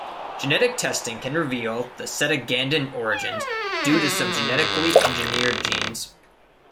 Genetic testing can reveal the Cetagandan origins due to some genetically engineered genes.